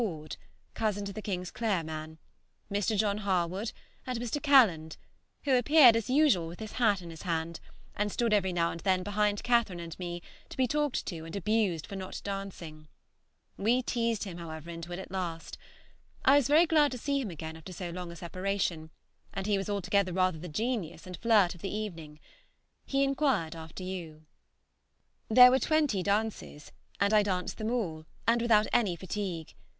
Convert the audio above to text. Orde (cousin to the Kingsclere man), Mr. John Harwood, and Mr. Calland, who appeared as usual with his hat in his hand, and stood every now and then behind Catherine and me to be talked to and abused for not dancing. We teased him, however, into it at last. I was very glad to see him again after so long a separation, and he was altogether rather the genius and flirt of the evening. He inquired after you. There were twenty dances, and I danced them all, and without any fatigue.